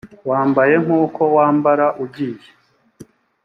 wambaye nk uko wambara ugiye